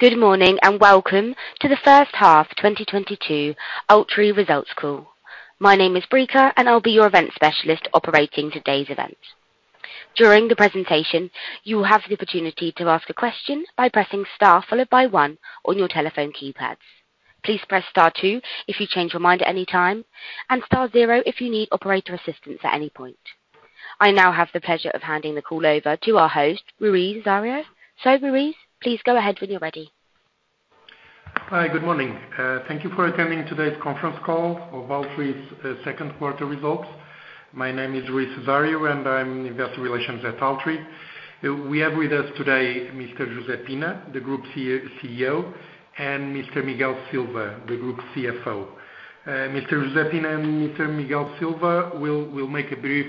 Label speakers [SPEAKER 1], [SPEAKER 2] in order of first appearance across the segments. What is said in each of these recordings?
[SPEAKER 1] Good morning and welcome to the H1 2022 Altri results call. My name is Brika, and I'll be your event specialist operating today's event. During the presentation, you will have the opportunity to ask a question by pressing star followed by one on your telephone keypads. Please press star two if you change your mind at any time, and star zero if you need operator assistance at any point. I now have the pleasure of handing the call over to our host, Rui Cesário. Rui, please go ahead when you're ready.
[SPEAKER 2] Hi. Good morning. Thank you for attending today's conference call of Altri's Q2 results. My name is Rui Cesário, and I'm Investor Relations at Altri. We have with us today Mr. José Soares de Pina, the Group CEO, and Mr. Miguel Silva, the Group CFO. Mr. José Soares de Pina and Mr. Miguel Silva will make a brief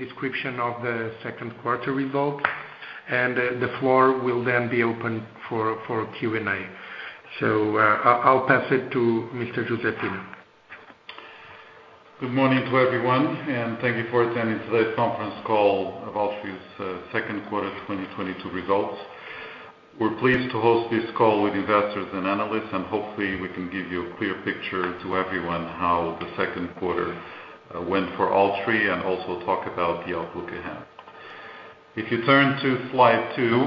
[SPEAKER 2] description of the Q2 results, and the floor will then be open for Q&A. I'll pass it to Mr. José Soares de Pina.
[SPEAKER 3] Good morning to everyone, and thank you for attending today's conference call of Altri's Q2 2022 results. We're pleased to host this call with investors and analysts, and hopefully we can give you a clear picture to everyone how the Q2 went for Altri and also talk about the outlook ahead. If you turn to slide two,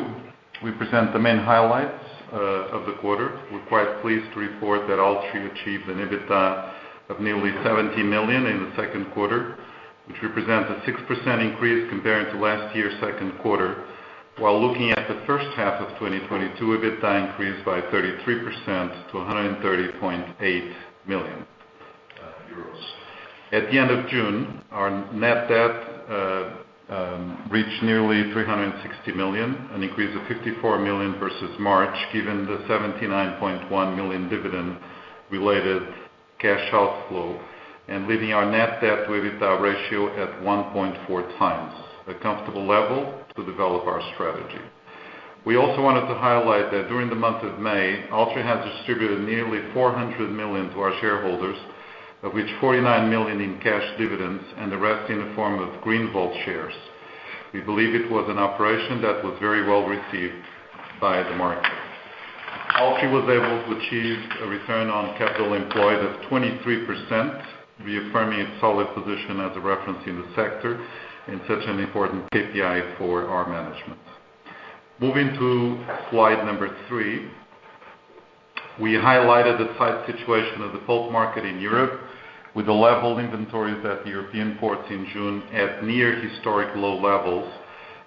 [SPEAKER 3] we present the main highlights of the quarter. We're quite pleased to report that Altri achieved an EBITDA of nearly 70 million in the Q2, which represents a 6% increase comparing to last year's Q2. While looking at the H1 of 2022, EBITDA increased by 33% to 130.8 million euros. At the end of June, our net debt reached nearly 360 million, an increase of 54 million versus March, given the 79.1 million dividend related cash outflow and leaving our net debt to EBITDA ratio at 1.4x, a comfortable level to develop our strategy. We also wanted to highlight that during the month of May, Altri has distributed nearly 400 million to our shareholders, of which 49 million in cash dividends and the rest in the form of Greenvolt shares. We believe it was an operation that was very well received by the market. Altri was able to achieve a return on capital employed of 23%, reaffirming its solid position as a reference in the sector and such an important KPI for our management. Moving to slide number three, we highlighted the tight situation of the pulp market in Europe with the level of inventories at the European ports in June at near historic low levels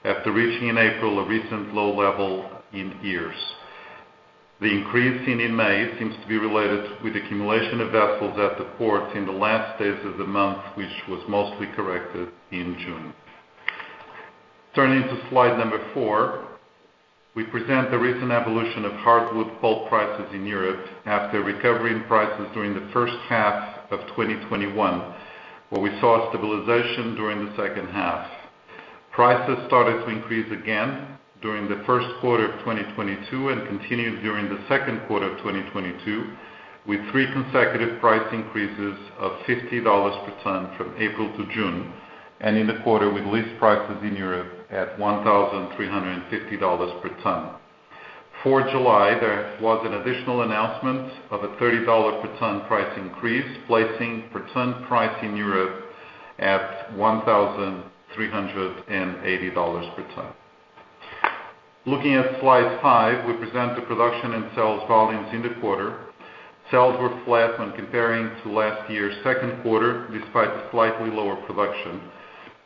[SPEAKER 3] after reaching in April a recent low level in years. The increase seen in May seems to be related with accumulation of vessels at the port in the last days of the month, which was mostly corrected in June. Turning to slide number four, we present the recent evolution of hardwood pulp prices in Europe after recovery in prices during the H1 of 2021, where we saw stabilization during the H2. Prices started to increase again during the Q1 of 2022 and continued during the Q2 of 2022 with three consecutive price increases of $50 per ton from April to June, and in the quarter we released prices in Europe at $1,350 per ton. For July, there was an additional announcement of a $30 per ton price increase, placing per ton price in Europe at $1,380 per ton. Looking at slide five, we present the production and sales volumes in the quarter. Sales were flat when comparing to last year's Q2, despite a slightly lower production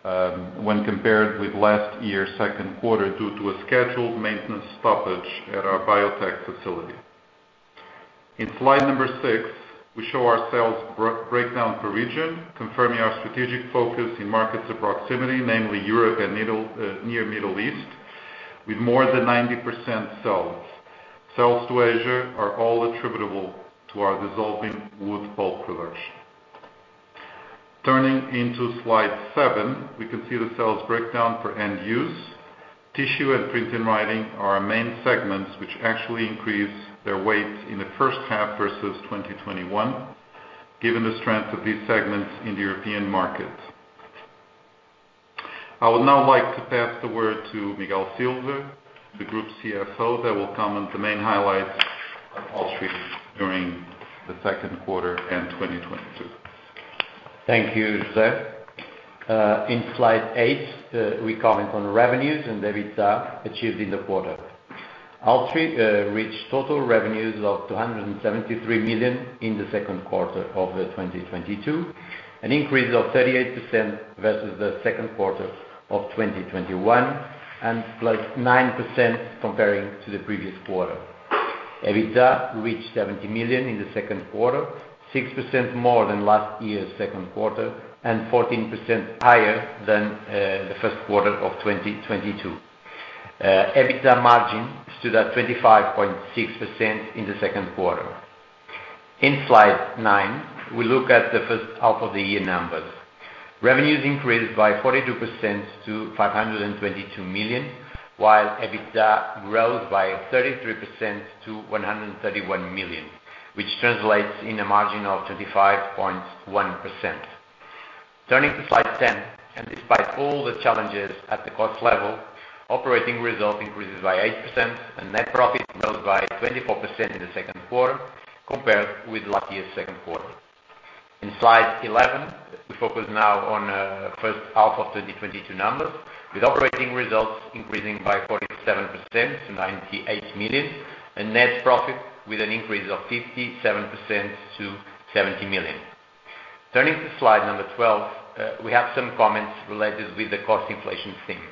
[SPEAKER 3] when compared with last year's Q2 due to a scheduled maintenance stoppage at our Biotek facility. In slide number six, we show our sales breakdown per region, confirming our strategic focus in markets of proximity, namely Europe and near Middle East, with more than 90% sales. Sales to Asia are all attributable to our dissolving wood pulp production. Turning to slide seven, we can see the sales breakdown for end use. Tissue and print and writing are our main segments which actually increase their weight in the H1 versus 2021, given the strength of these segments in the European market. I would now like to pass the word to Miguel Silva, the group CFO, that will comment the main highlights of Altri during the Q2 and 2022.
[SPEAKER 4] Thank you, José. In slide eight, we comment on revenues and the EBITDA achieved in the quarter. Altri reached total revenues of 273 million in the Q2 of 2022, an increase of 38% versus the Q2 of 2021 and +9% comparing to the previous quarter. EBITDA reached 70 million in the Q2, 6% more than last year's Q2 and 14% higher than the Q1 of 2022. EBITDA margin stood at 25.6% in the Q2. In slide nine, we look at the H1 of the year numbers. Revenues increased by 42% to 522 million, while EBITDA grows by 33% to 131 million, which translates in a margin of 35.1%. Turning to slide 10, and despite all the challenges at the cost level, operating result increases by 8% and net profit grows by 24% in the Q2 compared with last year's Q2. In slide 11, we focus now on H1 of 2022 numbers, with operating results increasing by 47% to 98 million, and net profit with an increase of 57% to 70 million. Turning to slide 12, we have some comments related with the cost inflation theme.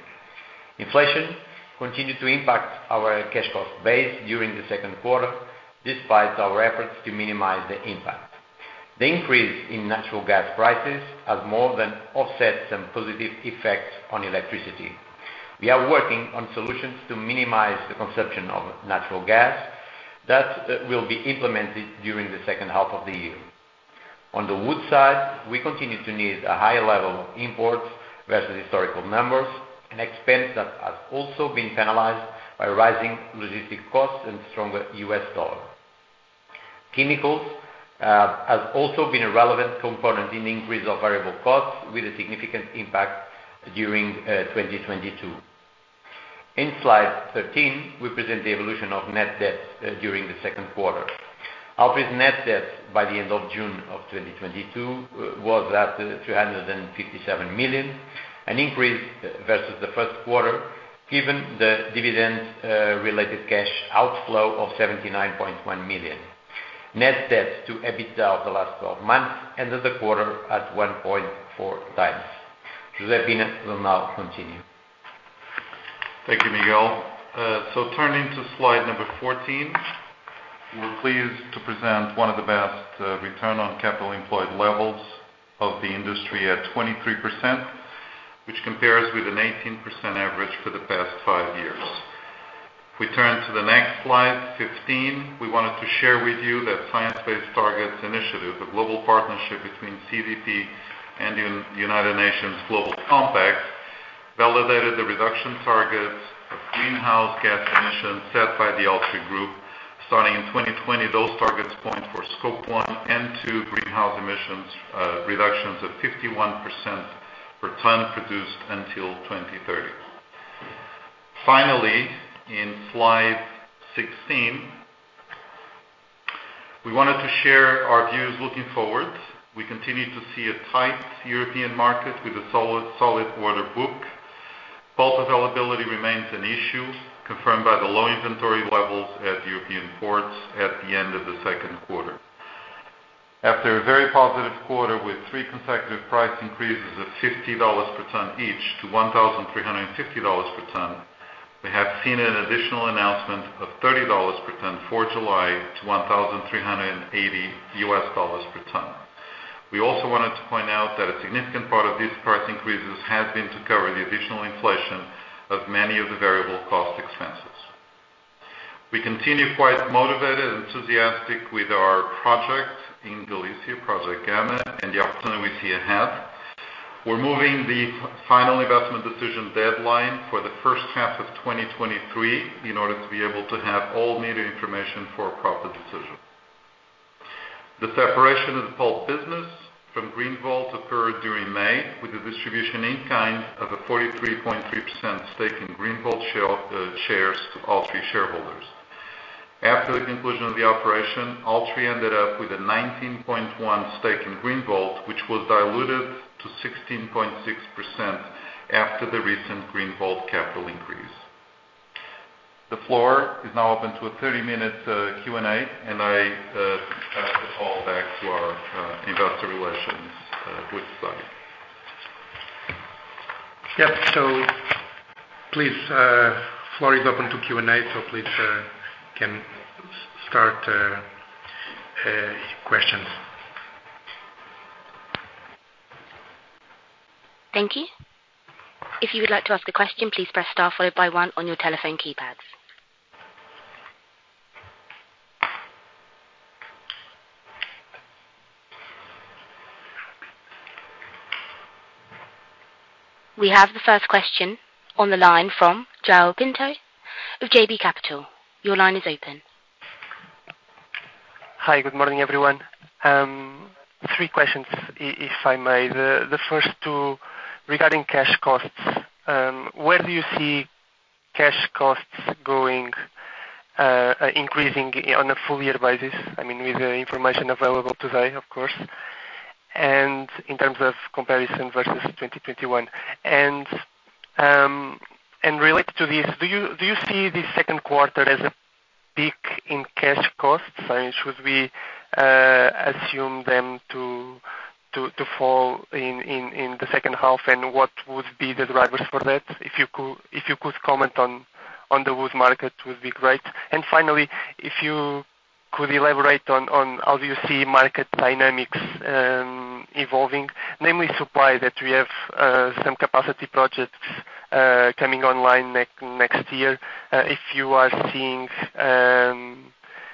[SPEAKER 4] Inflation continued to impact our cash cost base during the Q2, despite our efforts to minimize the impact. The increase in natural gas prices has more than offset some positive effects on electricity. We are working on solutions to minimize the consumption of natural gas that will be implemented during the H2 of the year. On the wood side, we continue to need a higher level of imports versus historical numbers, an expense that has also been penalized by rising logistics costs and stronger U.S. dollar. Chemicals has also been a relevant component in increase of variable costs with a significant impact during 2022. In slide 13, we present the evolution of net debt during the Q2. Altri's net debt by the end of June of 2022 was at 357 million, an increase versus the Q1 given the dividend related cash outflow of 79.1 million. Net debt to EBITDA of the last twelve months ended the quarter at 1.4x. José Soares de Pina will now continue.
[SPEAKER 3] Thank you, Miguel. Turning to slide number 14, we're pleased to present one of the best return on capital employed levels of the industry at 23%, which compares with an 18% average for the past five years. If we turn to the next slide, 15, we wanted to share with you that Science Based Targets initiative, the global partnership between CDP and United Nations Global Compact, validated the reduction targets of greenhouse gas emissions set by the Altri Group. Starting in 2020, those targets point to Scope one and two greenhouse emissions reductions of 51% per ton produced until 2030. Finally, in slide 16, we wanted to share our views looking forward. We continue to see a tight European market with a solid order book. Pulp availability remains an issue, confirmed by the low inventory levels at European ports at the end of the Q2. After a very positive quarter with three consecutive price increases of $50 per ton each to $1,350 per ton, we have seen an additional announcement of $30 per ton for July to $1,380 per ton. We also wanted to point out that a significant part of these price increases has been to cover the additional inflation of many of the variable cost expenses. We continue quite motivated, enthusiastic with our project in Galicia, Project Gamma, and the opportunity we see ahead. We're moving the final investment decision deadline for the H1 of 2023 in order to be able to have all needed information for a proper decision. The separation of the pulp business from Greenvolt occurred during May, with the distribution in-kind of a 43.3% stake in Greenvolt shares to Altri shareholders. After the conclusion of the operation, Altri ended up with a 19.1% stake in Greenvolt, which was diluted to 16.6% after the recent Greenvolt capital increase. The floor is now open to a 30-minute Q&A, and I pass the call back to our investor relations, who will start.
[SPEAKER 2] Yeah. Please, floor is open to Q&A. Please, can start questions.
[SPEAKER 1] Thank you. If you would like to ask a question, please press star followed by one on your telephone keypads. We have the first question on the line from João Pinto of JB Capital. Your line is open.
[SPEAKER 5] Hi. Good morning, everyone. Three questions if I may. The first two regarding cash costs. Where do you see cash costs going, increasing on a full year basis? I mean, with the information available today, of course, and in terms of comparison versus 2021. Related to this, do you see the Q2 as a peak in cash costs? Should we assume them to fall in the H2 and what would be the drivers for that? If you could comment on the wood market would be great. Finally, if you could elaborate on how you see market dynamics evolving, namely supply, that we have some capacity projects coming online next year. If you are seeing.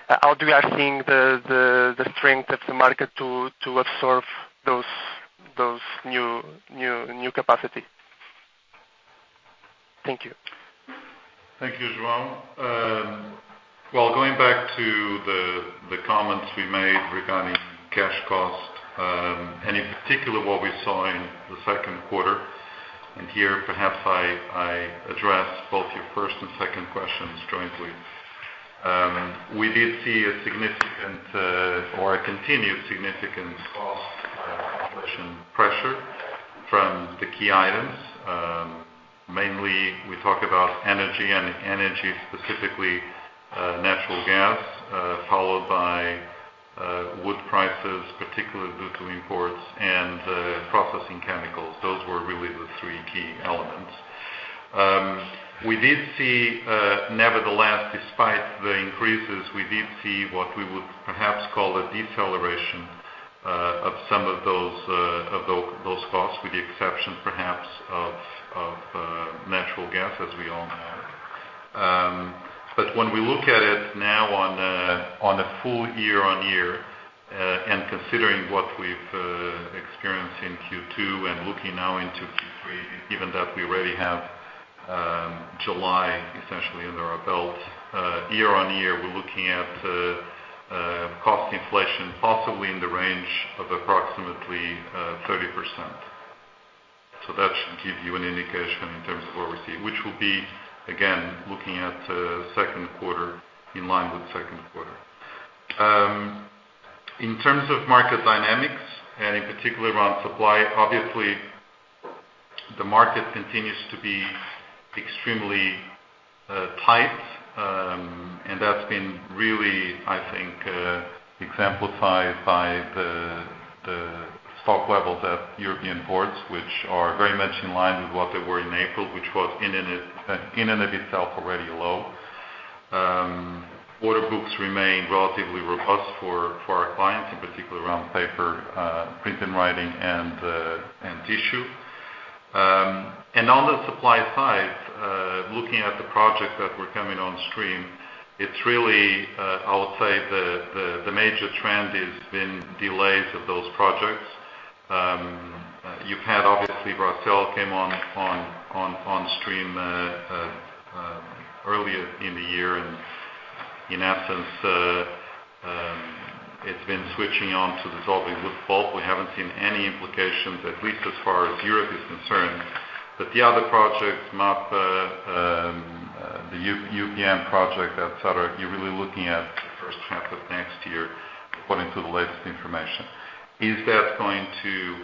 [SPEAKER 5] How do we are seeing the strength of the market to absorb those new capacity? Thank you.
[SPEAKER 3] Thank you, João. Well, going back to the comments we made regarding cash cost, and in particular what we saw in the Q2, and here, perhaps I address both your first and second questions jointly. We did see a significant or a continued significant cost inflation pressure from the key items. Mainly, we talk about energy, and energy, specifically, natural gas, followed by wood prices, particularly due to imports and processing chemicals. Those were really the three key elements. We did see, nevertheless, despite the increases, we did see what we would perhaps call a deceleration of some of those costs, with the exception perhaps of natural gas, as we all know. When we look at it now on a full year-on-year, and considering what we've experienced in Q2 and looking now into Q3, given that we already have July essentially under our belt. Year-on-year, we're looking at cost inflation, possibly in the range of approximately 30%. That should give you an indication in terms of what we're seeing, which will be, again, looking at Q2, in line with Q2. In terms of market dynamics and in particular around supply, obviously the market continues to be extremely tight. That's been really, I think, exemplified by the stock levels at European ports, which are very much in line with what they were in April, which was in and of itself already low. Order books remain relatively robust for our clients, in particular around paper, print and writing and tissue. On the supply side, looking at the projects that were coming on stream, it's really I would say the major trend has been delays of those projects. You've had obviously Bracell come on stream earlier in the year. In essence, it's been a switch onto dissolving wood pulp. We haven't seen any implications, at least as far as Europe is concerned. The other projects, MAPA, the UPM project, et cetera, you're really looking at the H1 of next year, according to the latest information. Is that going to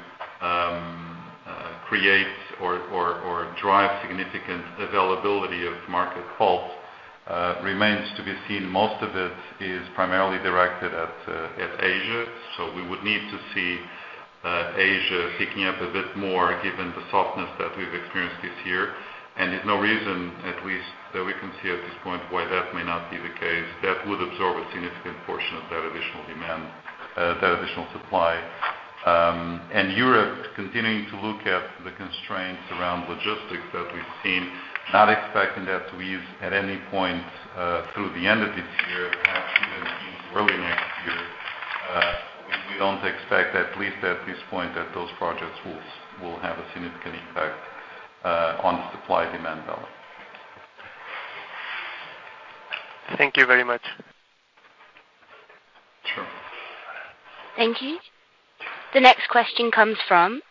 [SPEAKER 3] create or drive significant availability of market pulp remains to be seen. Most of it is primarily directed at Asia. We would need to see Asia picking up a bit more given the softness that we've experienced this year. There's no reason, at least that we can see at this point, why that may not be the case. That would absorb a significant portion of that additional demand, that additional supply. Europe continuing to look at the constraints around logistics that we've seen, not expecting that to ease at any point through the end of this year, perhaps even into early next year. We don't expect, at least at this point, that those projects will have a significant impact on supply/demand balance.
[SPEAKER 5] Thank you very much.
[SPEAKER 1] Thank you. The next question comes from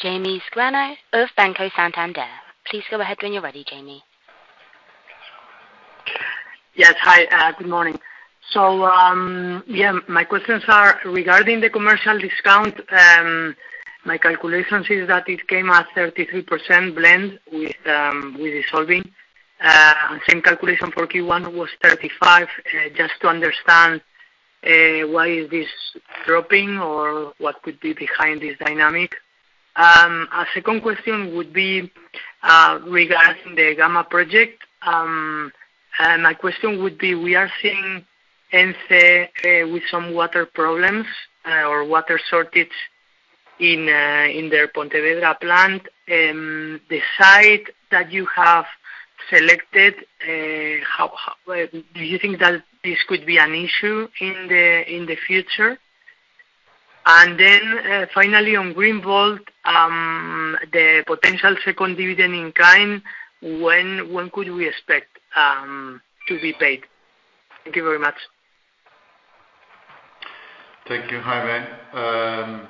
[SPEAKER 1] Jaime Escribano of Banco Santander. Please go ahead when you're ready, Jaime.
[SPEAKER 6] Yes. Hi, good morning. My questions are regarding the commercial discount. My calculations is that it came at 33% blend with dissolving. Same calculation for Q1 was 35%. Just to understand why is this dropping or what could be behind this dynamic? A second question would be regarding the Gamma project. My question would be, we are seeing Ence with some water problems or water shortage in their Pontevedra plant. The site that you have selected, how do you think that this could be an issue in the future? Finally on Greenvolt, the potential second dividend in kind, when could we expect to be paid? Thank you very much.
[SPEAKER 3] Thank you. Hi, Jaime.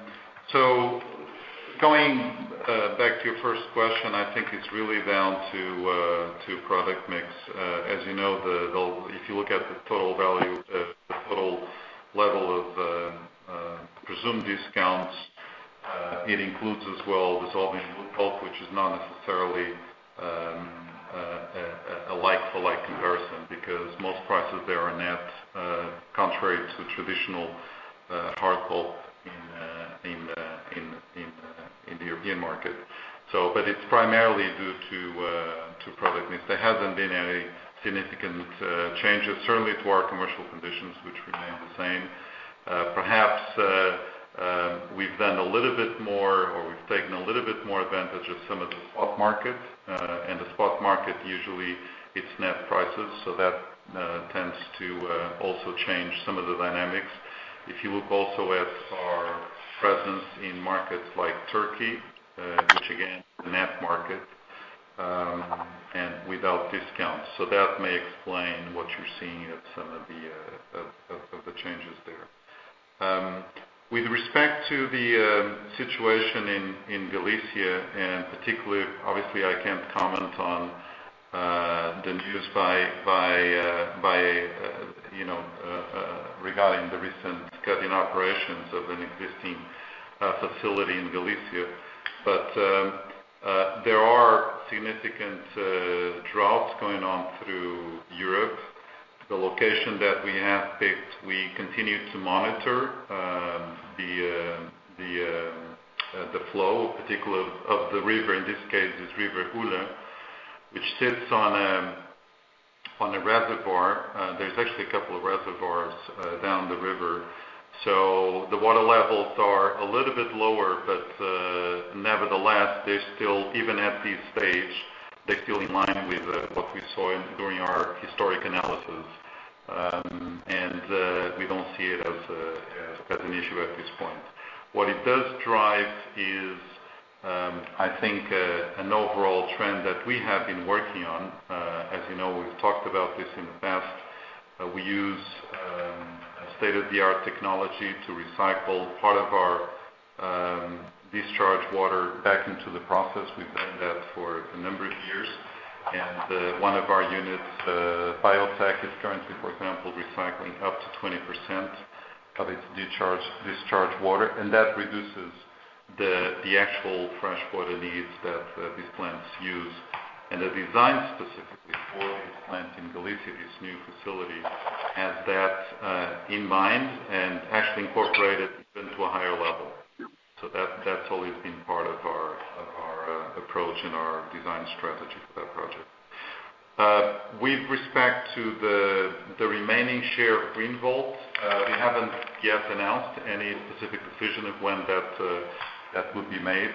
[SPEAKER 3] Going back to your first question, I think it's really down to product mix. As you know, if you look at the total value, the total level of presumed discounts, it includes as well dissolving wood pulp, which is not necessarily a like for like comparison, because most prices there are net, contrary to traditional hardwood pulp in the European market. It's primarily due to product mix. There hasn't been any significant changes, certainly to our commercial conditions, which remain the same. Perhaps we've done a little bit more, or we've taken a little bit more advantage of some of the spot markets, and the spot markets. It's net prices, so that tends to also change some of the dynamics. If you look also at our presence in markets like Turkey, which again, net market, and without discounts. That may explain what you're seeing at some of the changes there. With respect to the situation in Galicia, and particularly, obviously I can't comment on the news by you know regarding the recent cutting operations of an existing facility in Galicia. There are significant droughts going on through Europe. The location that we have picked, we continue to monitor the flow, particularly of the river, in this case is River Ulla, which sits on a reservoir. There's actually a couple of reservoirs down the river. The water levels are a little bit lower, but nevertheless, they're still, even at this stage, they're still in line with what we saw during our historical analysis. We don't see it as an issue at this point. What it does drive is, I think, an overall trend that we have been working on. As you know, we've talked about this in the past, we use state-of-the-art technology to recycle part of our discharge water back into the process. We've done that for a number of years, and one of our units, Biotek is currently, for example, recycling up to 20% of its discharge water, and that reduces the actual freshwater needs that these plants use. They're designed specifically for this plant in Galicia, this new facility has that in mind, and actually incorporated even to a higher level. That's always been part of our approach and our design strategy for that project. With respect to the remaining share of Greenvolt, we haven't yet announced any specific decision of when that would be made.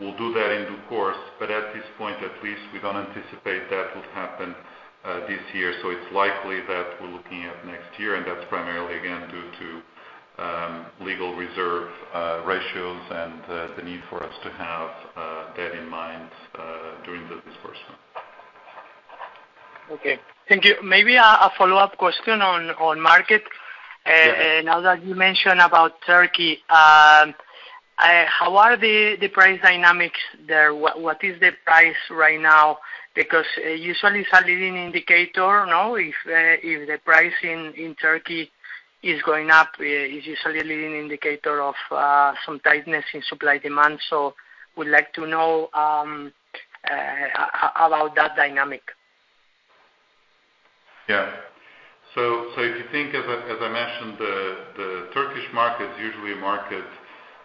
[SPEAKER 3] We'll do that in due course, but at this point, at least we don't anticipate that will happen this year. It's likely that we're looking at next year, and that's primarily, again, due to legal reserve ratios and the need for us to have that in mind during the disbursement.
[SPEAKER 6] Okay. Thank you. Maybe a follow-up question on market. Now that you mentioned about Turkey, how are the price dynamics there? What is the price right now? Because usually it's a leading indicator, no? If the price in Turkey is going up, it's usually a leading indicator of some tightness in supply demand. We'd like to know how about that dynamic?
[SPEAKER 3] If you think of it, as I mentioned, the Turkish market is usually a market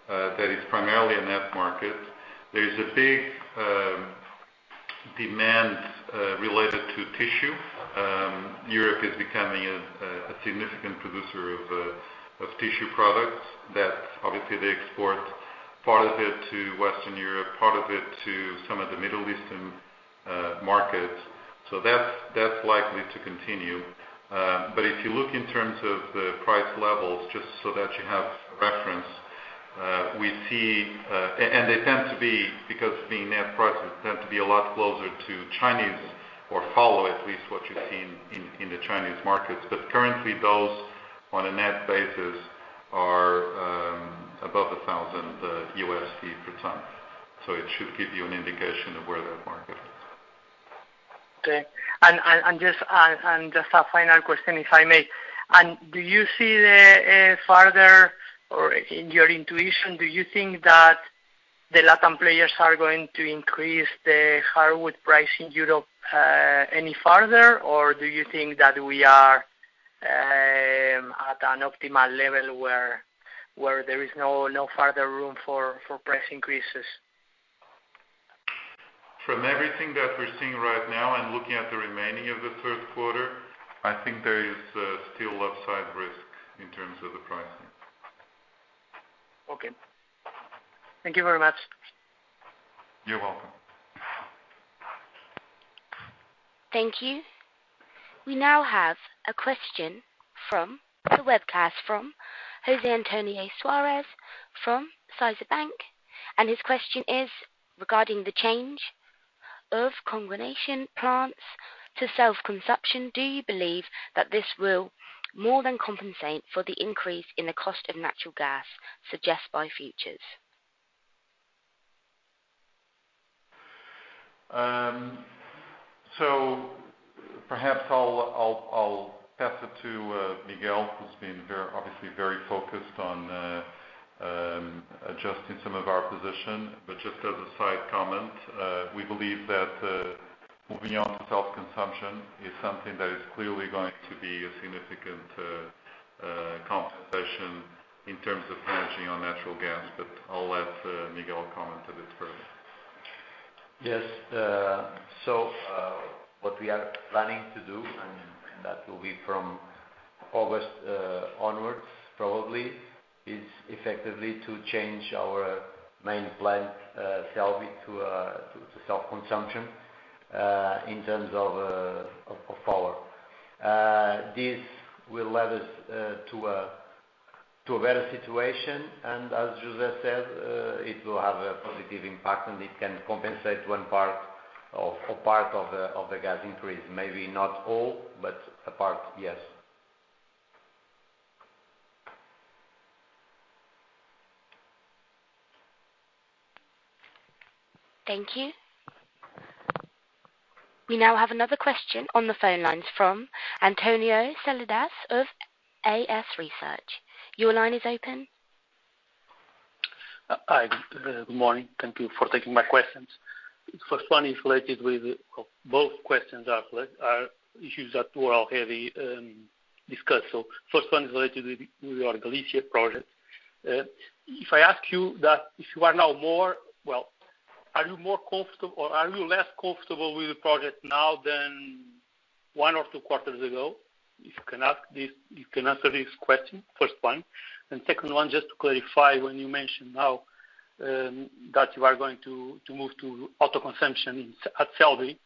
[SPEAKER 3] that is primarily a net market. There is a big demand related to tissue. Europe is becoming a significant producer of tissue products that obviously they export part of it to Western Europe, part of it to some of the Middle Eastern markets. That's likely to continue. If you look in terms of the price levels, just so that you have reference, they tend to be, because being net prices, a lot closer to Chinese or follow at least what you've seen in the Chinese markets. Currently those on a net basis are above $1,000 per ton. It should give you an indication of where that market is.
[SPEAKER 6] Okay. Just a final question, if I may. Do you see the further, or in your intuition, do you think that the LatAm players are going to increase the hardwood price in Europe any further? Do you think that we are at an optimal level where there is no further room for price increases?
[SPEAKER 3] From everything that we're seeing right now and looking at the remaining of the Q3, I think there is still upside risk in terms of the pricing.
[SPEAKER 6] Okay. Thank you very much.
[SPEAKER 3] You're welcome.
[SPEAKER 1] Thank you. We now have a question from the webcast from José Antonio Suárez from CaixaBank, and his question is regarding the change of cogeneration plants to self-consumption. Do you believe that this will more than compensate for the increase in the cost of natural gas suggest by futures?
[SPEAKER 3] Perhaps I'll pass it to Miguel, who's been very obviously very focused on adjusting some of our position. Just as a side comment, we believe that moving on to self-consumption is something that is clearly going to be a significant compensation in terms of hedging on natural gas. I'll let Miguel comment a bit further.
[SPEAKER 4] Yes. What we are planning to do, and that will be from August onwards probably is effectively to change our main plant, Celbi, to self-consumption in terms of power. This will lead us to a better situation. As José said, it will have a positive impact, and it can compensate one part of the gas increase. Maybe not all, but a part, yes.
[SPEAKER 1] Thank you. We now have another question on the phone lines from António Seladas of AS Independent Research. Your line is open.
[SPEAKER 7] Hi. Good morning. Thank you for taking my questions. Both questions are issues that were already discussed. First one is related with your Galicia project. If I ask you that, if you are now more comfortable or are you less comfortable with the project now than one or two quarters ago? Well, are you more comfortable or are you less comfortable with the project now than one or two quarters ago? If you can ask this, you can answer this question. First one. Second one, just to clarify, when you mentioned now that you are going to move to self-consumption at Celbi,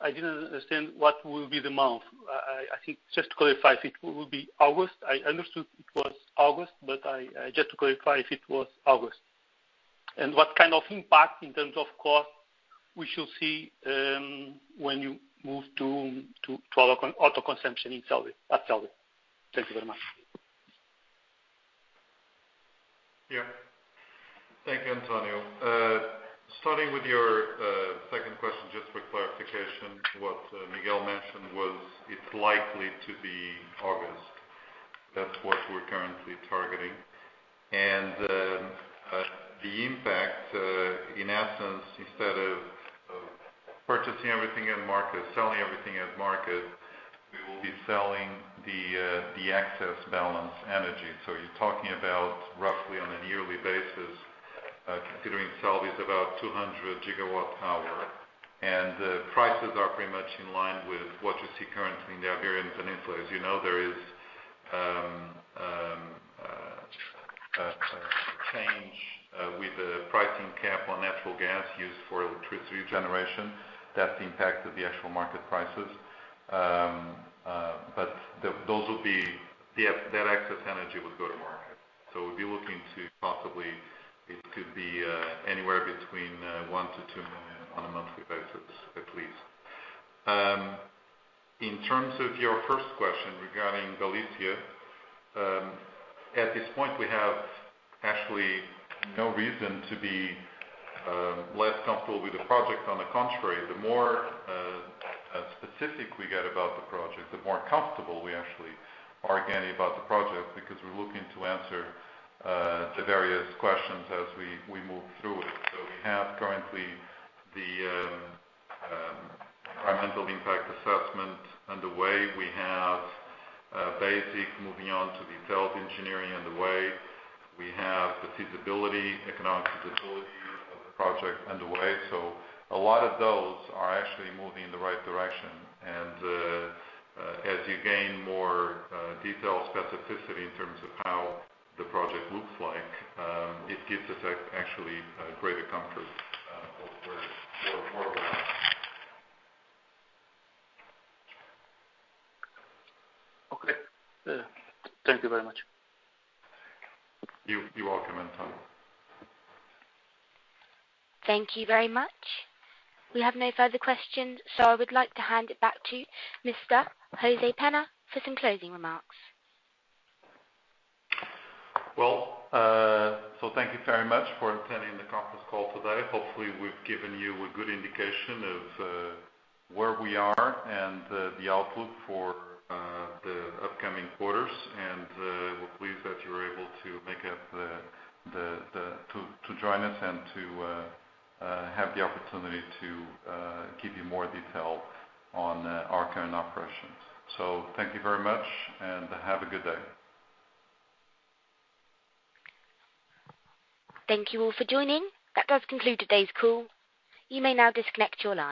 [SPEAKER 7] I didn't understand what will be the month. I think just to clarify if it will be August. I understood it was August, but just to clarify if it was August. What kind of impact in terms of cost we should see, when you move to self-consumption in Celbi, at Celbi? Thank you very much.
[SPEAKER 3] Yeah. Thank you, António. Starting with your second question, just for clarification, what Miguel mentioned was it's likely to be August. That's what we're currently targeting. The impact, in essence, instead of purchasing everything in market, selling everything as market, we will be selling the excess balance energy. So you're talking about roughly on a yearly basis, considering sale is about 200 GWh. The prices are pretty much in line with what you see currently in the Iberian Peninsula. As you know, there is a change with the pricing cap on natural gas used for electricity generation. That impacts the actual market prices. Those will be that excess energy would go to market. We'll be looking to possibly it could be anywhere between 1 million-2 million on a monthly basis, at least. In terms of your first question regarding Galicia, at this point, we have actually no reason to be less comfortable with the project. On the contrary, the more specific we get about the project, the more comfortable we actually are getting about the project, because we're looking to answer the various questions as we move through it. We have currently the environmental impact assessment underway. We have basic moving on to detailed engineering underway. We have the economic feasibility of the project underway. A lot of those are actually moving in the right direction. As you gain more detailed specificity in terms of how the project looks like, it gives us actually greater comfort of where we're going.
[SPEAKER 7] Okay. Thank you very much.
[SPEAKER 3] You're welcome, António.
[SPEAKER 1] Thank you very much. We have no further questions, so I would like to hand it back to Mr. José Soares de Pina for some closing remarks.
[SPEAKER 3] Well, thank you very much for attending the conference call today. Hopefully, we've given you a good indication of where we are and the outlook for the upcoming quarters. We're pleased that you were able to make it to join us and to have the opportunity to give you more detail on our current operations. Thank you very much and have a good day.
[SPEAKER 1] Thank you all for joining. That does conclude today's call. You may now disconnect your line.